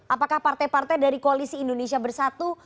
apakah partai partai dari koalisi indonesia bersatu